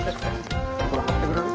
これ貼ってくれる？